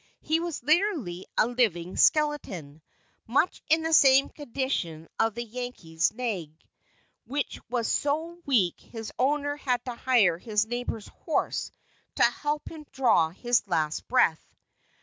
He was literally a "living skeleton," much in the same condition of the Yankee's nag, which was so weak his owner had to hire his neighbor's horse to help him draw his last breath.